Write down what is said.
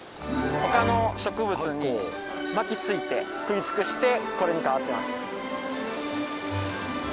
他の植物に巻きついて食い尽くしてこれに変わってます。